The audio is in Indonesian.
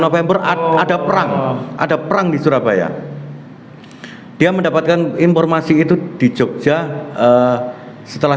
november ada perang ada perang di surabaya dia mendapatkan informasi itu di jogja setelah